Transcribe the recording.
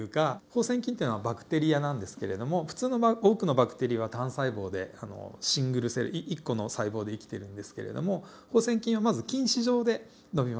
放線菌っていうのはバクテリアなんですけれども普通の多くのバクテリアは単細胞でシングルセル１個の細胞で生きてるんですけれども放線菌はまず菌糸状で伸びます。